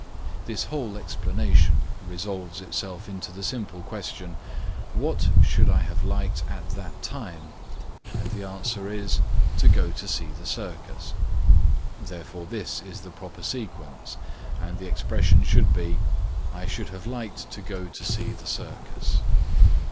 This whole explanation resolves itself into the simple question, what should I have liked at that time, and the answer is "to go to see the circus," therefore this is the proper sequence, and the expression should be "I should have liked to go to see the circus."